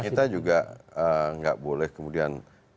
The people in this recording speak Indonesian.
kita juga gak boleh kemudian terjebak